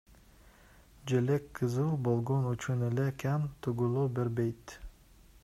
Желек кызыл болгон үчүн эле кан төгүлө бербейт.